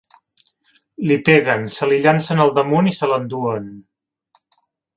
Li peguen, se li llancen al damunt i se l’enduen.